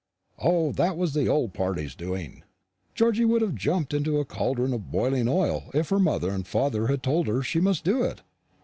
"O, that was the old parties' doing. Georgy would have jumped into a cauldron of boiling oil if her mother and father had told her she must do it.